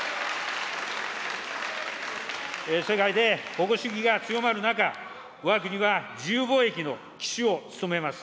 世界で保護主義が強まる中、わが国は自由貿易の旗手を務めます。